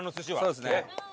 そうですね。